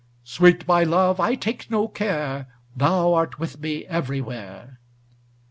Sweet my love, I take no care, Thou art with me everywhere!